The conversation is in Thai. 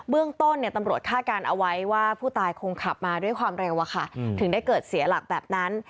เรื่องต้นตำรวจคาดการณ์เอาไว้ว่าผู้ตายคงขับมาด้วยความเร็วถึงได้เกิดเสียหลักแบบนั้น